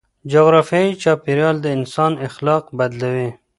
جغرافيايي چاپيريال د انسان اخلاق بدلوي.